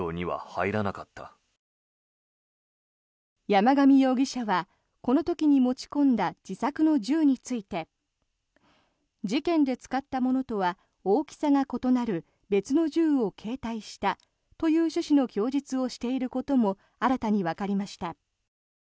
山上容疑者は、この時に持ち込んだ自作の銃について事件で使ったものとは大きさが異なる別の銃を携帯したという趣旨の供述をしていることも新たにわかりました。